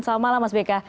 selamat malam mas beka